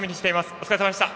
お疲れさまでした。